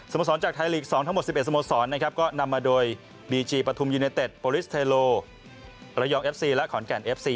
โมสรจากไทยลีก๒ทั้งหมด๑๑สโมสรนะครับก็นำมาโดยบีจีปฐุมยูเนเต็ดโปรลิสเทโลระยองเอฟซีและขอนแก่นเอฟซี